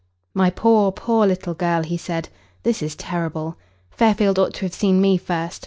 "My poor, poor little girl," he said. "This is terrible. Fairfield ought to have seen me first.